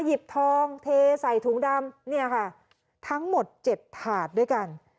หยิบทองเทใส่ถุงดำเนี่ยค่ะทั้งหมด๗ถาดด้วยกัน